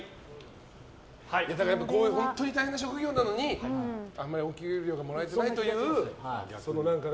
こういう大変な職業なのにあまりお給料がもらえていないというね。